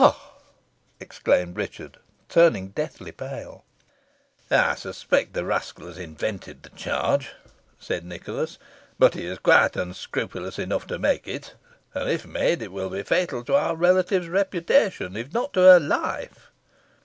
"Ha!" exclaimed Richard, turning deathly pale. "I suspect the rascal has invented the charge," said Nicholas; "but he is quite unscrupulous enough to make it; and, if made, it will be fatal to our relative's reputation, if not to her life."